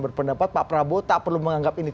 berpendapat pak prabowo tak perlu menganggap ini